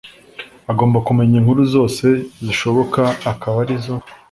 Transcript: Agomba kumenya inkuru zose zishoboka akaba arizo